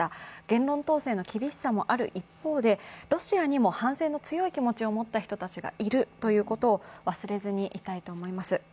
言論統制の厳しさもある一方で、ロシアにも反戦の強い気持ちを持った人たちがいるということを忘れずにいたいと思います。